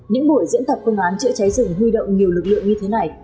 những buổi diễn tập phương án chữa cháy rừng huy động nhiều lực lượng như thế này